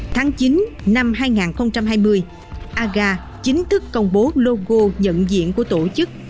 tháng chín năm hai nghìn hai mươi aga chính thức công bố logo nhận diện của tổ chức